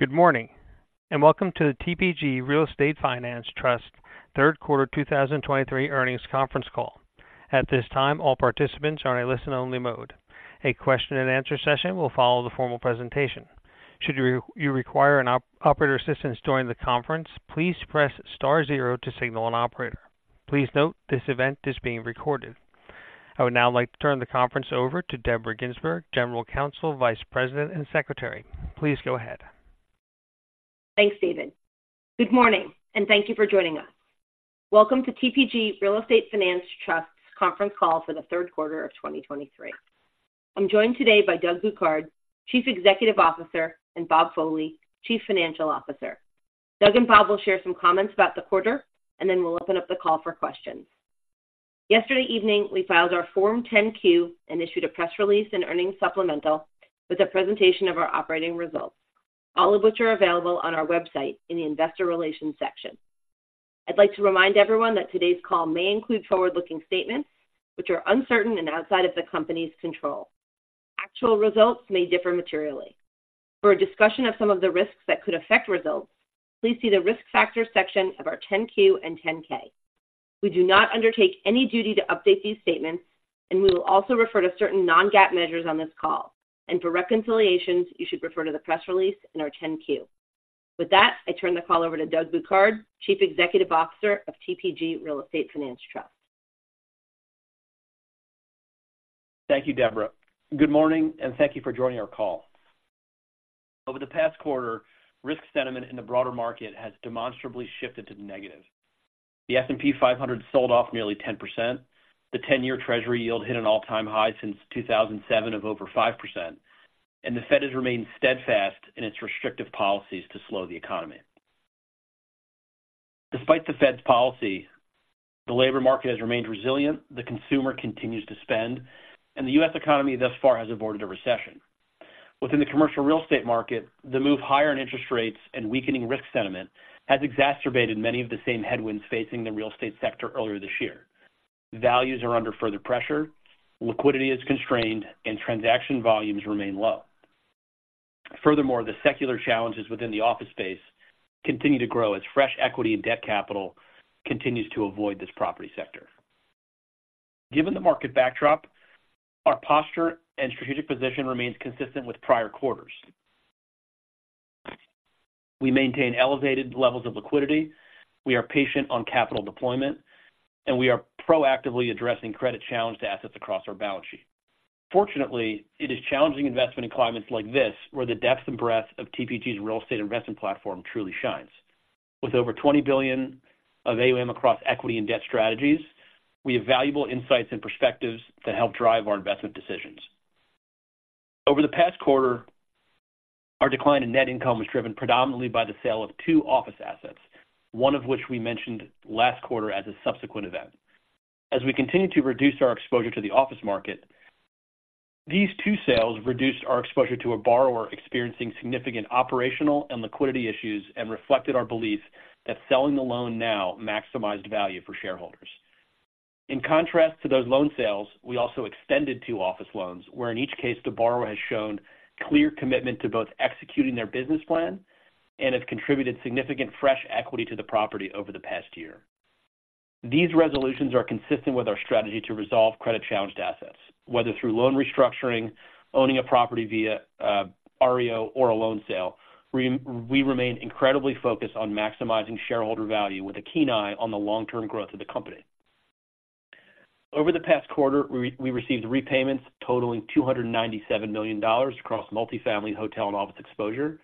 Good morning, and welcome to the TPG Real Estate Finance Trust Third Quarter 2023 Earnings Conference Call. At this time, all participants are in a listen-only mode. A question and answer session will follow the formal presentation. Should you require operator assistance during the conference, please press star zero to signal an operator. Please note, this event is being recorded. I would now like to turn the conference over to Deborah Ginsberg, General Counsel, Vice President, and Secretary. Please go ahead. Thanks, David. Good morning, and thank you for joining us. Welcome to TPG Real Estate Finance Trust's conference call for the third quarter of 2023. I'm joined today by Doug Bouquard, Chief Executive Officer, and Bob Foley, Chief Financial Officer. Doug and Bob will share some comments about the quarter, and then we'll open up the call for questions. Yesterday evening, we filed our Form 10-Q and issued a press release and earnings supplemental with a presentation of our operating results, all of which are available on our website in the Investor Relations section. I'd like to remind everyone that today's call may include forward-looking statements which are uncertain and outside of the company's control. Actual results may differ materially. For a discussion of some of the risks that could affect results, please see the Risk Factors section of our 10-Q and 10-K. We do not undertake any duty to update these statements, and we will also refer to certain non-GAAP measures on this call, and for reconciliations, you should refer to the press release and our 10-Q. With that, I turn the call over to Doug Bouquard, Chief Executive Officer of TPG RE Finance Trust. Thank you, Deborah. Good morning, and thank you for joining our call. Over the past quarter, risk sentiment in the broader market has demonstrably shifted to the negative. The S&P 500 sold off nearly 10%, the 10-year Treasury yield hit an all-time high since 2007 of over 5%, and the Fed has remained steadfast in its restrictive policies to slow the economy. Despite the Fed's policy, the labor market has remained resilient, the consumer continues to spend, and the U.S. economy thus far has avoided a recession. Within the commercial real estate market, the move higher in interest rates and weakening risk sentiment has exacerbated many of the same headwinds facing the real estate sector earlier this year. Values are under further pressure, liquidity is constrained, and transaction volumes remain low. Furthermore, the secular challenges within the office space continue to grow as fresh equity and debt capital continues to avoid this property sector. Given the market backdrop, our posture and strategic position remains consistent with prior quarters. We maintain elevated levels of liquidity, we are patient on capital deployment, and we are proactively addressing credit-challenged assets across our balance sheet. Fortunately, it is challenging investment in climates like this where the depth and breadth of TPG's real estate investment platform truly shines. With over $20 billion of AUM across equity and debt strategies, we have valuable insights and perspectives that help drive our investment decisions. Over the past quarter, our decline in net income was driven predominantly by the sale of two office assets, one of which we mentioned last quarter as a subsequent event. As we continue to reduce our exposure to the office market, these two sales reduced our exposure to a borrower experiencing significant operational and liquidity issues and reflected our belief that selling the loan now maximized value for shareholders. In contrast to those loan sales, we also extended two office loans, where in each case, the borrower has shown clear commitment to both executing their business plan and have contributed significant fresh equity to the property over the past year. These resolutions are consistent with our strategy to resolve credit-challenged assets, whether through loan restructuring, owning a property via REO, or a loan sale. We remain incredibly focused on maximizing shareholder value with a keen eye on the long-term growth of the company. Over the past quarter, we received repayments totaling $297 million across multifamily, hotel, and office exposure.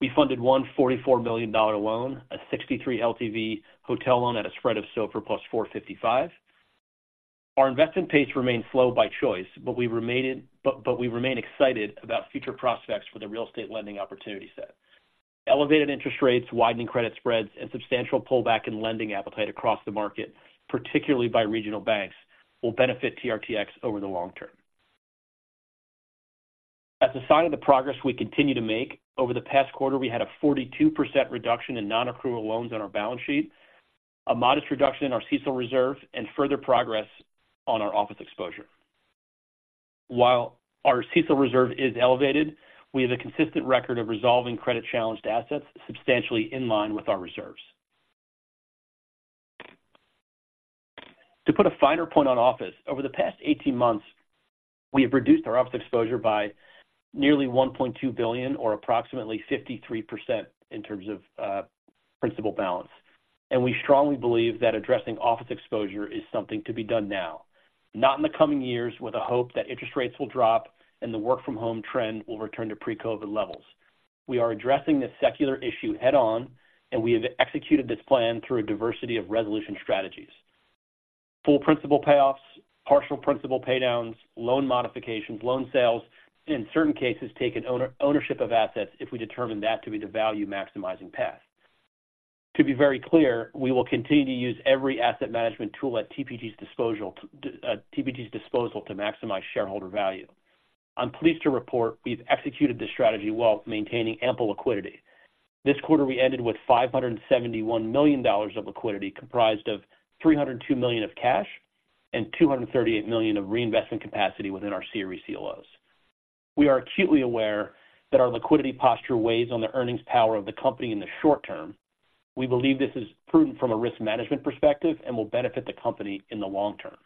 We funded a $144 million loan, a 63 LTV hotel loan at a spread of SOFR + 455. Our investment pace remains slow by choice, but we remain excited about future prospects for the real estate lending opportunity set. Elevated interest rates, widening credit spreads, and substantial pullback in lending appetite across the market, particularly by regional banks, will benefit TRTX over the long term. As a sign of the progress we continue to make, over the past quarter, we had a 42% reduction in non-accrual loans on our balance sheet, a modest reduction in our CECL reserve, and further progress on our office exposure. While our CECL reserve is elevated, we have a consistent record of resolving credit-challenged assets substantially in line with our reserves. To put a finer point on office, over the past 18 months, we have reduced our office exposure by nearly $1.2 billion or approximately 53% in terms of principal balance, and we strongly believe that addressing office exposure is something to be done now, not in the coming years, with a hope that interest rates will drop and the work-from-home trend will return to pre-COVID levels. We are addressing this secular issue head-on, and we have executed this plan through a diversity of resolution strategies. Full principal payoffs, partial principal paydowns, loan modifications, loan sales, in certain cases, taking ownership of assets if we determine that to be the value-maximizing path. To be very clear, we will continue to use every asset management tool at TPG's disposal to maximize shareholder value. I'm pleased to report we've executed this strategy while maintaining ample liquidity. This quarter, we ended with $571 million of liquidity, comprised of $302 million of cash and $238 million of reinvestment capacity within our series CLOs. We are acutely aware that our liquidity posture weighs on the earnings power of the company in the short term. We believe this is prudent from a risk management perspective and will benefit the company in the long term.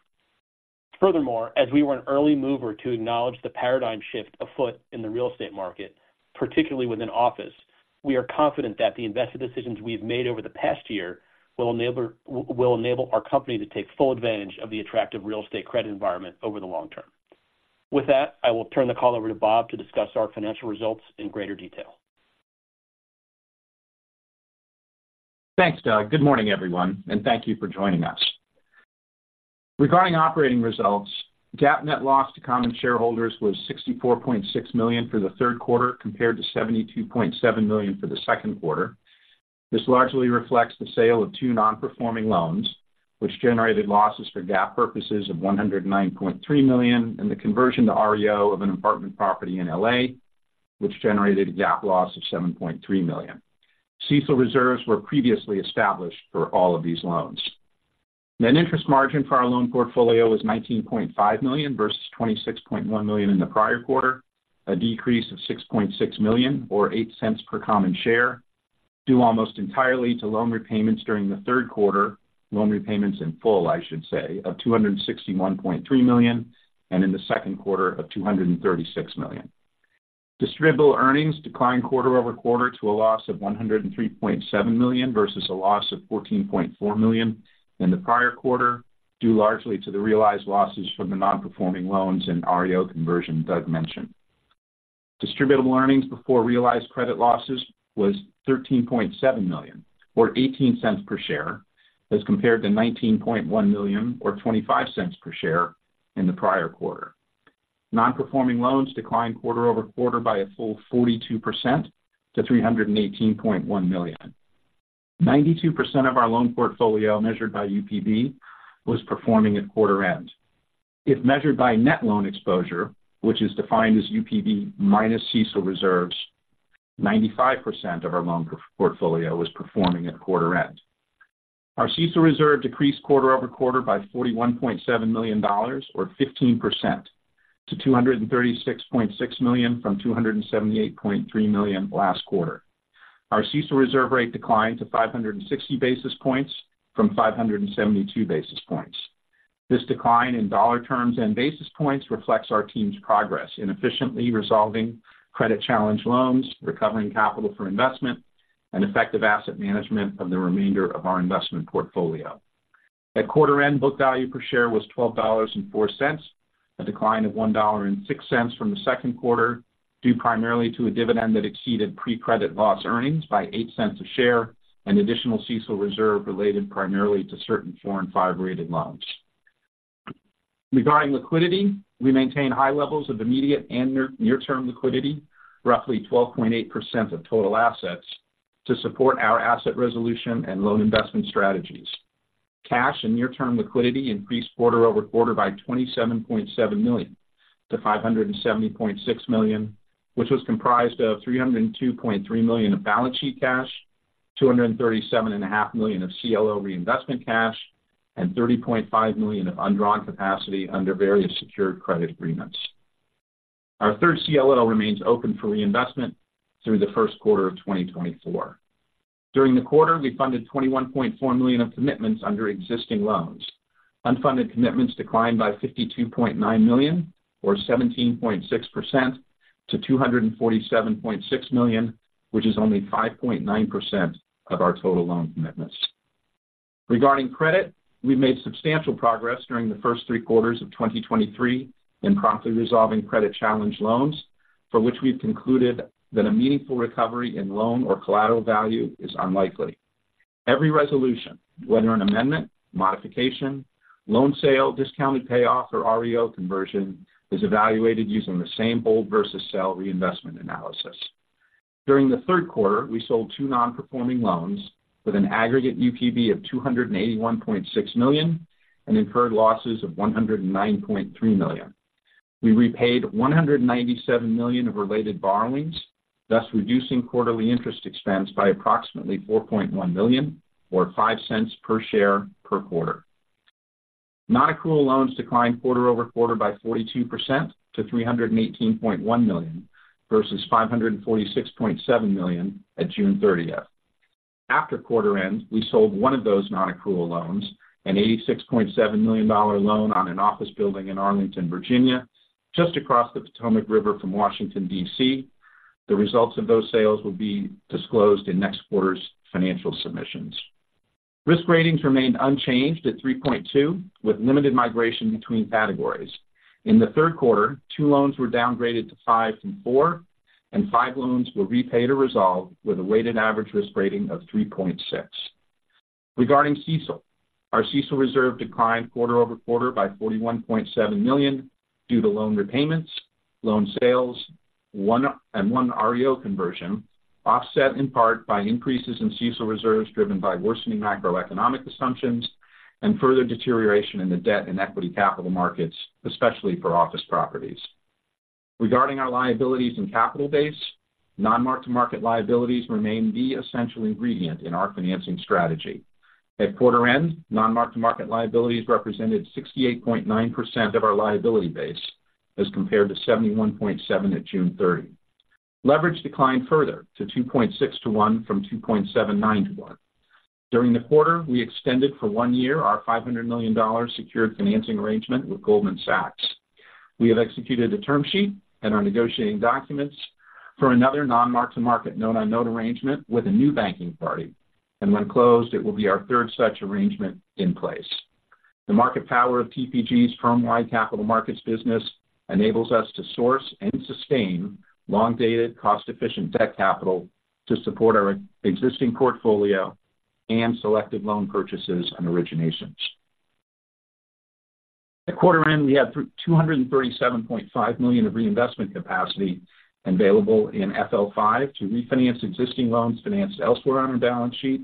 Furthermore, as we were an early mover to acknowledge the paradigm shift afoot in the real estate market, particularly within office, we are confident that the investment decisions we've made over the past year will enable, will enable our company to take full advantage of the attractive real estate credit environment over the long term. With that, I will turn the call over to Bob to discuss our financial results in greater detail. Thanks, Doug. Good morning, everyone, and thank you for joining us. Regarding operating results, GAAP net loss to common shareholders was $64.6 million for the third quarter, compared to $72.7 million for the second quarter. This largely reflects the sale of two nonperforming loans, which generated losses for GAAP purposes of $109.3 million, and the conversion to REO of an apartment property in L.A., which generated a GAAP loss of $7.3 million. CECL reserves were previously established for all of these loans. Net interest margin for our loan portfolio was $19.5 million versus $26.1 million in the prior quarter, a decrease of $6.6 million, or $0.08 per common share, due almost entirely to loan repayments during the third quarter. Loan repayments in full, I should say, of $261.3 million and in the second quarter of $236 million. Distributable earnings declined quarter-over-quarter to a loss of $103.7 million versus a loss of $14.4 million in the prior quarter, due largely to the realized losses from the nonperforming loans and REO conversion Doug mentioned. Distributable earnings before realized credit losses was $13.7 million, or $0.18 per share, as compared to $19.1 million, or $0.25 per share in the prior quarter. Nonperforming loans declined quarter-over-quarter by a full 42% to $318.1 million. 92% of our loan portfolio, measured by UPB, was performing at quarter end. If measured by net loan exposure, which is defined as UPB minus CECL reserves, 95% of our loan portfolio was performing at quarter end. Our CECL reserve decreased quarter-over-quarter by $41.7 million, or 15%, to $236.6 million from $278.3 million last quarter. Our CECL reserve rate declined to 560 basis points from 572 basis points. This decline in dollar terms and basis points reflects our team's progress in efficiently resolving credit challenge loans, recovering capital for investment, and effective asset management of the remainder of our investment portfolio. At quarter end, book value per share was $12.04, a decline of $1.06 from the second quarter, due primarily to a dividend that exceeded pre-credit loss earnings by $0.08 per share and additional CECL reserve related primarily to certain 4- and 5-rated loans. Regarding liquidity, we maintain high levels of immediate and near-term liquidity, roughly 12.8% of total assets, to support our asset resolution and loan investment strategies. Cash and near-term liquidity increased quarter-over-quarter by $27.7 million, to $570.6 million, which was comprised of $302.3 million of balance sheet cash, $237.5 million of CLO reinvestment cash, and $30.5 million of undrawn capacity under various secured credit agreements. Our third CLO remains open for reinvestment through the first quarter of 2024. During the quarter, we funded $21.4 million of commitments under existing loans. Unfunded commitments declined by $52.9 million, or 17.6%, to $247.6 million, which is only 5.9% of our total loan commitments. Regarding credit, we've made substantial progress during the first three quarters of 2023 in promptly resolving credit challenge loans, for which we've concluded that a meaningful recovery in loan or collateral value is unlikely. Every resolution, whether an amendment, modification, loan sale, discounted payoff, or REO conversion, is evaluated using the same hold versus sell reinvestment analysis. During the third quarter, we sold two nonperforming loans with an aggregate UPB of $281.6 million and incurred losses of $109.3 million. We repaid $197 million of related borrowings, thus reducing quarterly interest expense by approximately $4.1 million, or $0.05 per share per quarter. Nonaccrual loans declined quarter-over-quarter by 42% to $318.1 million versus $546.7 million at June 30. After quarter end, we sold one of those nonaccrual loans, an $86.7 million loan on an office building in Arlington, Virginia, just across the Potomac River from Washington, D.C. The results of those sales will be disclosed in next quarter's financial submissions. Risk ratings remained unchanged at 3.2, with limited migration between categories. In the third quarter, 2 loans were downgraded to 5 from 4, and 5 loans were repaid or resolved with a weighted average risk rating of 3.6. Regarding CECL, our CECL reserve declined quarter-over-quarter by $41.7 million due to loan repayments, loan sales, one and one REO conversion, offset in part by increases in CECL reserves driven by worsening macroeconomic assumptions and further deterioration in the debt and equity capital markets, especially for office properties. Regarding our liabilities and capital base, non-mark-to-market liabilities remain the essential ingredient in our financing strategy. At quarter end, non-mark-to-market liabilities represented 68.9% of our liability base, as compared to 71.7% at June 30. Leverage declined further to 2.6 to 1 from 2.79 to 1. During the quarter, we extended for one year our $500 million secured financing arrangement with Goldman Sachs. We have executed a term sheet and are negotiating documents for another non-mark-to-market note-on-note arrangement with a new banking party, and when closed, it will be our third such arrangement in place. The market power of TPG's firm-wide capital markets business enables us to source and sustain long-dated, cost-efficient debt capital to support our existing portfolio and selected loan purchases and originations. At quarter end, we had $237.5 million of reinvestment capacity available in FL5 to refinance existing loans financed elsewhere on our balance sheet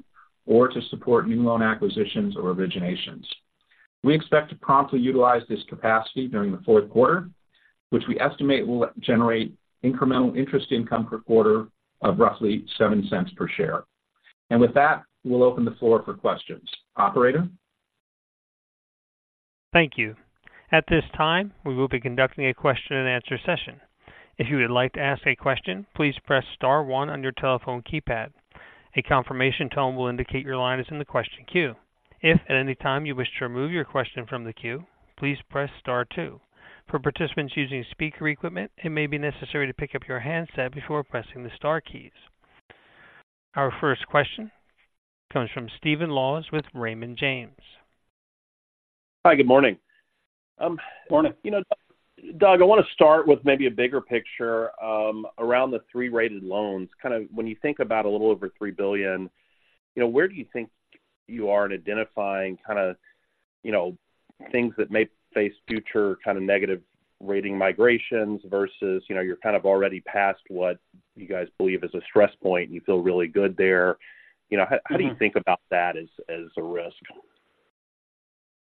or to support new loan acquisitions or originations. We expect to promptly utilize this capacity during the fourth quarter, which we estimate will generate incremental interest income per quarter of roughly $0.07 per share. And with that, we'll open the floor for questions. Operator? Thank you. At this time, we will be conducting a question-and-answer session. If you would like to ask a question, please press star one on your telephone keypad. A confirmation tone will indicate your line is in the question queue. If at any time you wish to remove your question from the queue, please press star two. For participants using speaker equipment, it may be necessary to pick up your handset before pressing the star keys. Our first question comes from Stephen Laws with Raymond James. Hi, good morning. Morning. You know, Doug, I want to start with maybe a bigger picture around the three-rated loans. Kind of when you think about a little over $3 billion, you know, where do you think you are in identifying kind of, you know, things that may face future kind of negative rating migrations versus, you know, you're kind of already past what you guys believe is a stress point, and you feel really good there. You know, how do you think about that as a risk?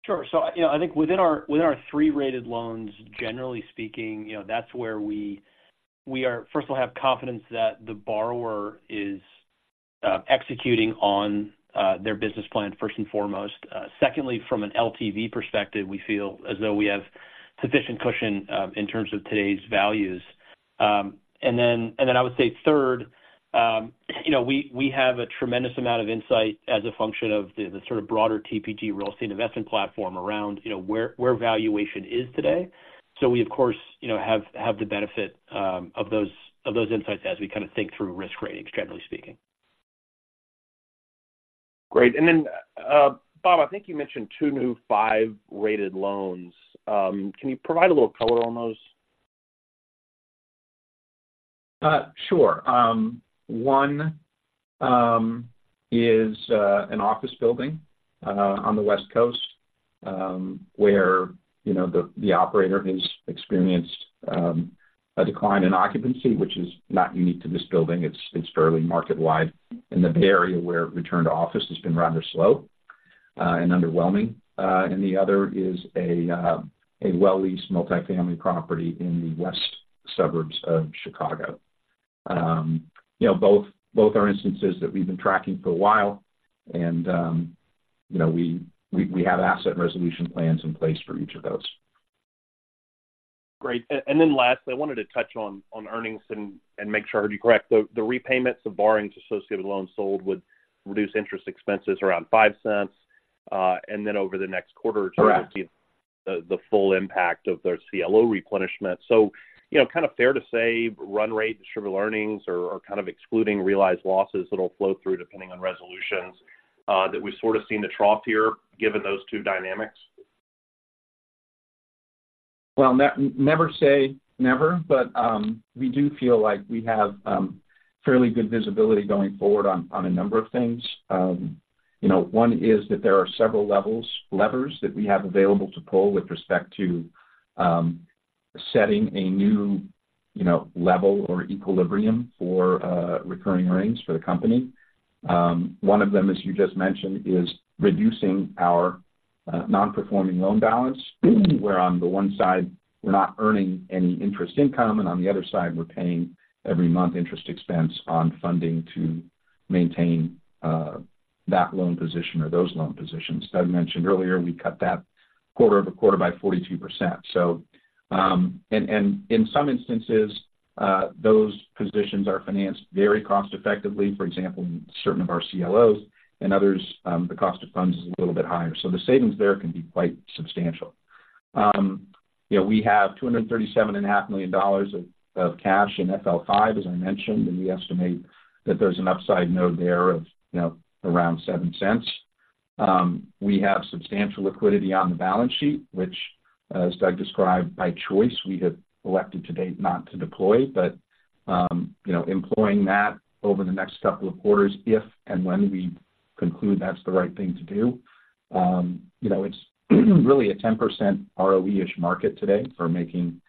Sure. So, you know, I think within our, within our three rated loans, generally speaking, you know, that's where we, we are, first of all, have confidence that the borrower is executing on their business plan, first and foremost. Secondly, from an LTV perspective, we feel as though we have sufficient cushion in terms of today's values. And then, and then I would say third, you know, we, we have a tremendous amount of insight as a function of the, the sort of broader TPG Real Estate investment platform around, you know, where, where valuation is today. So we, of course, you know, have, have the benefit of those, of those insights as we kind of think through risk ratings, generally speaking. Great. And then, Bob, I think you mentioned two new five-rated loans. Can you provide a little color on those? Sure. One is an office building on the West Coast, where, you know, the operator has experienced a decline in occupancy, which is not unique to this building. It's fairly market-wide in the Bay Area, where return to office has been rather slow and underwhelming. And the other is a well-leased multifamily property in the west suburbs of Chicago. You know, both are instances that we've been tracking for a while, and you know, we have asset resolution plans in place for each of those. Great. And then lastly, I wanted to touch on earnings and make sure I heard you correct. The repayments of borrowings associated with loans sold would reduce interest expenses around $0.05, and then over the next quarter or two- Correct. The full impact of the CLO replenishment. So, you know, kind of fair to say run rate distributable earnings are kind of excluding realized losses that'll flow through depending on resolutions, that we've sort of seen the trough here, given those two dynamics? Well, never say never, but we do feel like we have fairly good visibility going forward on a number of things. You know, one is that there are several levers that we have available to pull with respect to setting a new, you know, level or equilibrium for recurring earnings for the company. One of them, as you just mentioned, is reducing our non-performing loan balance, where on the one side, we're not earning any interest income, and on the other side, we're paying every month interest expense on funding to maintain that loan position or those loan positions. Doug mentioned earlier, we cut that quarter-over-quarter by 42%. So, and in some instances, those positions are financed very cost effectively. For example, in certain of our CLOs and others, the cost of funds is a little bit higher. So the savings there can be quite substantial. You know, we have $237.5 million of cash in FL5, as I mentioned, and we estimate that there's an upside node there of, you know, around $0.07. We have substantial liquidity on the balance sheet, which, as Doug described, by choice, we have elected to date not to deploy. But, you know, employing that over the next couple of quarters, if and when we conclude that's the right thing to do, you know, it's really a 10% ROE-ish market today for making,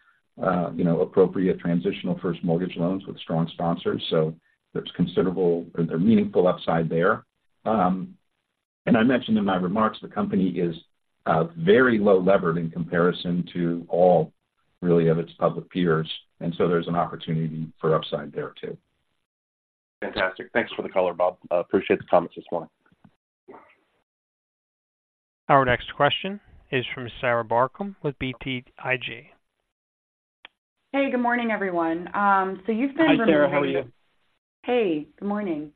you know, appropriate transitional first mortgage loans with strong sponsors. So there's considerable or there's meaningful upside there. I mentioned in my remarks, the company is very low levered in comparison to all really of its public peers, and so there's an opportunity for upside there, too. Fantastic. Thanks for the color, Bob. I appreciate the comments this morning. Our next question is from Sarah Barcomb with BTIG. Hey, good morning, everyone. So you've been. Hi, Sarah, how are you? Hey, good morning.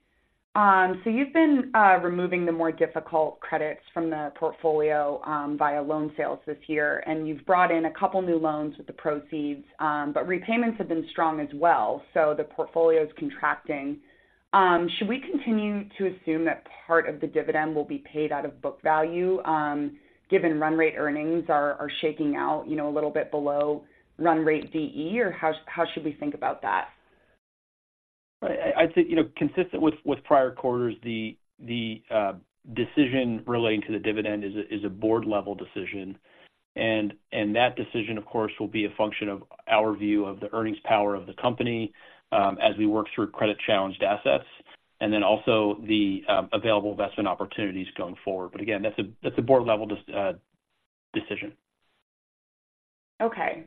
So you've been removing the more difficult credits from the portfolio via loan sales this year, and you've brought in a couple new loans with the proceeds. But repayments have been strong as well, so the portfolio is contracting. Should we continue to assume that part of the dividend will be paid out of book value, given run rate earnings are shaking out, you know, a little bit below run rate DE, or how should we think about that? I'd say, you know, consistent with prior quarters, the decision relating to the dividend is a board-level decision. And that decision, of course, will be a function of our view of the earnings power of the company, as we work through credit-challenged assets, and then also the available investment opportunities going forward. But again, that's a board-level decision. Okay.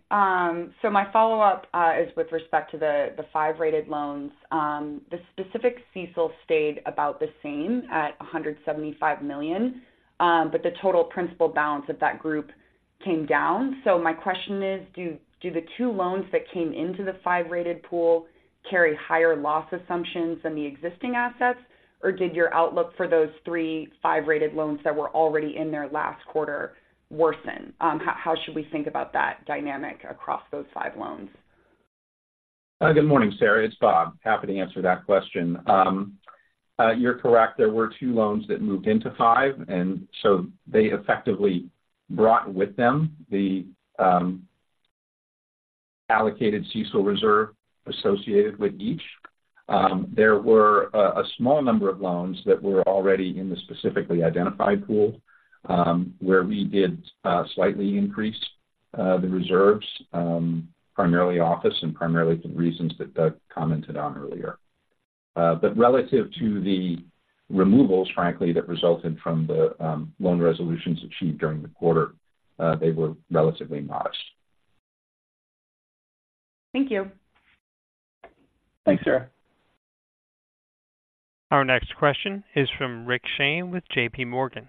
So my follow-up is with respect to the 5-rated loans. The specific CECL stayed about the same at $175 million, but the total principal balance of that group came down. So my question is: Do the 2 loans that came into the 5-rated pool carry higher loss assumptions than the existing assets? Or did your outlook for those three 5-rated loans that were already in there last quarter worsen? How should we think about that dynamic across those 5 loans? Good morning, Sarah. It's Bob. Happy to answer that question. You're correct, there were 2 loans that moved into five, and so they effectively brought with them the allocated CECL reserve associated with each. There were a small number of loans that were already in the specifically identified pool, where we did slightly increase the reserves, primarily office and primarily for reasons that Doug commented on earlier. But relative to the removals, frankly, that resulted from the loan resolutions achieved during the quarter, they were relatively modest. Thank you. Thanks, Sarah. Our next question is from Rick Shane with JPMorgan.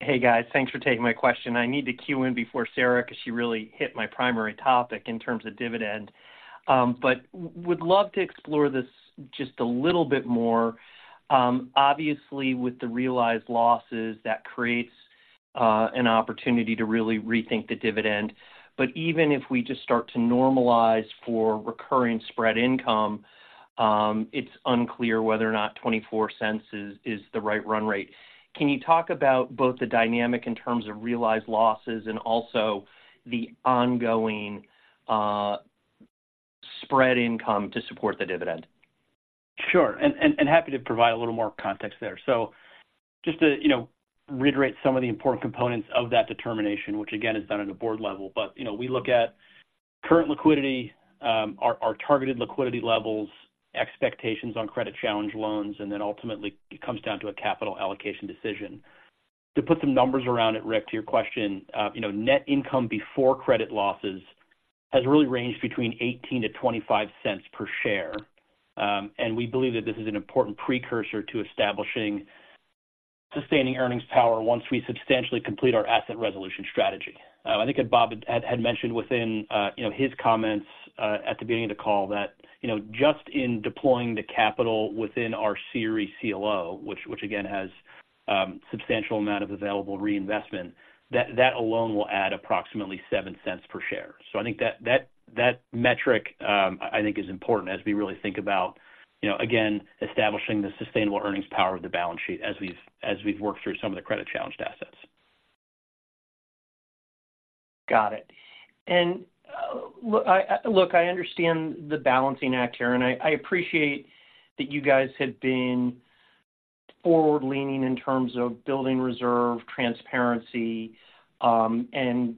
Hey, guys. Thanks for taking my question. I need to chime in before Sarah because she really hit my primary topic in terms of dividend. But would love to explore this just a little bit more. Obviously, with the realized losses, that creates an opportunity to really rethink the dividend. But even if we just start to normalize for recurring spread income, it's unclear whether or not $0.24 is the right run rate. Can you talk about both the dynamic in terms of realized losses and also the ongoing spread income to support the dividend? Sure. Happy to provide a little more context there. So just to, you know, reiterate some of the important components of that determination, which, again, is done at a board level. But, you know, we look at current liquidity, our targeted liquidity levels, expectations on credit challenge loans, and then ultimately it comes down to a capital allocation decision. To put some numbers around it, Rick, to your question, you know, net income before credit losses has really ranged between $0.18-$0.25 per share. And we believe that this is an important precursor to establishing sustaining earnings power once we substantially complete our asset resolution strategy. I think that Bob had mentioned within, you know, his comments at the beginning of the call that, you know, just in deploying the capital within our series CLO, which again has substantial amount of available reinvestment, that alone will add approximately $0.07 per share. So I think that metric, I think is important as we really think about, you know, again, establishing the sustainable earnings power of the balance sheet as we've worked through some of the credit-challenged assets. Got it. And, Look, I understand the balancing act here, and I, I appreciate that you guys have been forward-leaning in terms of building reserve, transparency, and,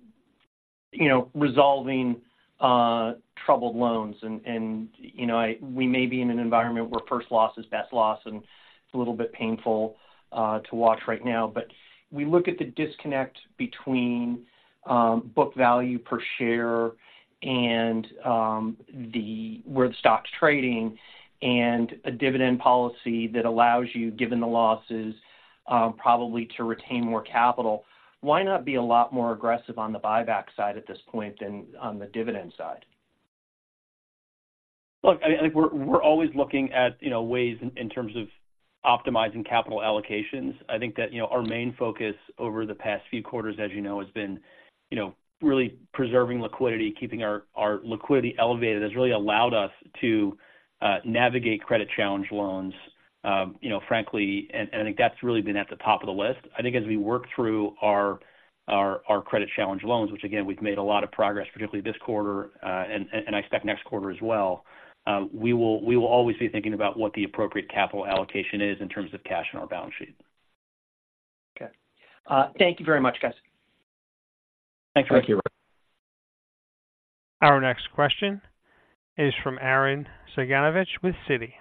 you know, resolving, troubled loans. And, and, you know, we may be in an environment where first loss is best loss, and it's a little bit painful, to watch right now. But we look at the disconnect between, book value per share and, the where the stock's trading and a dividend policy that allows you, given the losses, probably to retain more capital. Why not be a lot more aggressive on the buyback side at this point than on the dividend side? Look, I think we're always looking at, you know, ways in terms of optimizing capital allocations. I think that, you know, our main focus over the past few quarters, as you know, has been, you know, really preserving liquidity. Keeping our liquidity elevated has really allowed us to navigate credit challenge loans. You know, frankly, and I think that's really been at the top of the list. I think as we work through our credit challenge loans, which again, we've made a lot of progress, particularly this quarter, and I expect next quarter as well, we will always be thinking about what the appropriate capital allocation is in terms of cash in our balance sheet. Okay. Thank you very much, guys. Thanks, Rick. Thank you, Rick. Our next question is from Arren Cyganovich with Citi.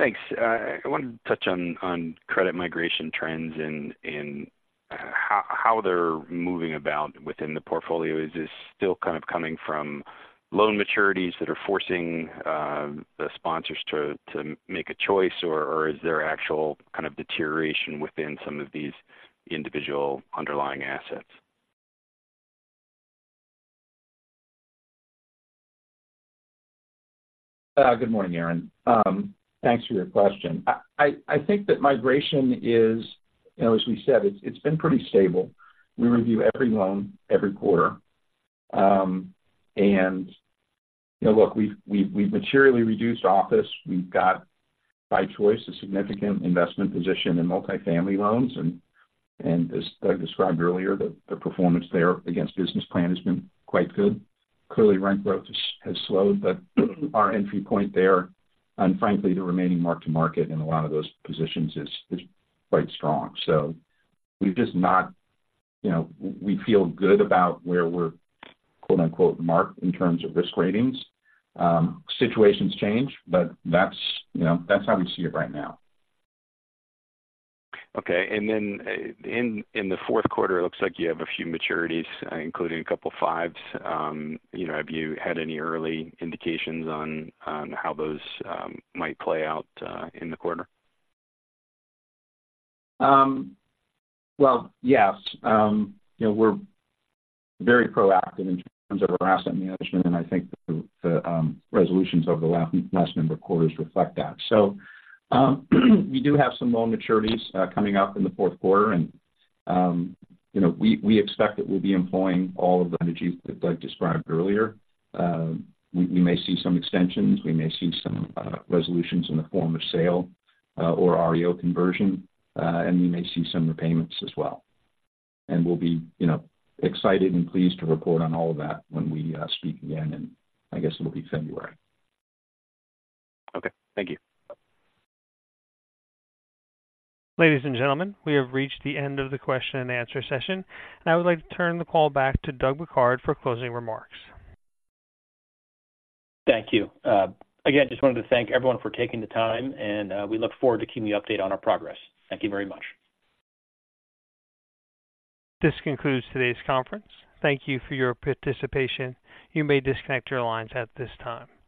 Thanks. I wanted to touch on credit migration trends and how they're moving about within the portfolio. Is this still kind of coming from loan maturities that are forcing the sponsors to make a choice, or is there actual kind of deterioration within some of these individual underlying assets? Good morning, Arren. Thanks for your question. I think that migration is, you know, as we said, it's been pretty stable. We review every loan every quarter. And, you know, look, we've materially reduced office. We've got, by choice, a significant investment position in multifamily loans. And as Doug described earlier, the performance there against business plan has been quite good. Clearly, rent growth has slowed, but our entry point there, and frankly, the remaining mark-to-market in a lot of those positions is quite strong. So we've just not... You know, we feel good about where we're, quote-unquote, "marked" in terms of risk ratings. Situations change, but that's, you know, that's how we see it right now. Okay. And then, in the fourth quarter, it looks like you have a few maturities, including a couple fives. You know, have you had any early indications on how those might play out, in the quarter? Well, yes. You know, we're very proactive in terms of our asset management, and I think the resolutions over the last number of quarters reflect that. So, we do have some loan maturities coming up in the fourth quarter, and, you know, we expect that we'll be employing all of the strategies that Doug described earlier. We may see some extensions, we may see some resolutions in the form of sale or REO conversion, and we may see some repayments as well. We'll be, you know, excited and pleased to report on all of that when we speak again, and I guess it'll be February. Okay. Thank you. Ladies and gentlemen, we have reached the end of the question and answer session, and I would like to turn the call back to Doug Bouquard for closing remarks. Thank you. Again, just wanted to thank everyone for taking the time, and we look forward to keeping you updated on our progress. Thank you very much. This concludes today's conference. Thank you for your participation. You may disconnect your lines at this time.